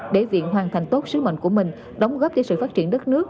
để viện hoàn thành tốt sứ mệnh của mình đóng góp cho sự phát triển đất nước